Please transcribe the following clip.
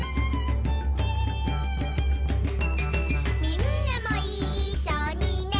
「みんなもいっしょにね」